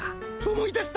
思い出した？